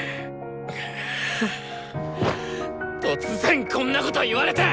突然こんなこと言われて！